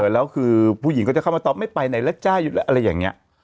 แล้วคือผู้หญิงก็จะเข้ามาตอบไม่ไปไหนแล้วจ้าอะไรอย่างนี้